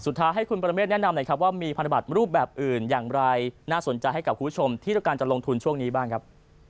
ให้คุณประเมฆแนะนำหน่อยครับว่ามีพันธบัตรรูปแบบอื่นอย่างไรน่าสนใจให้กับคุณผู้ชมที่ต้องการจะลงทุนช่วงนี้บ้างครับ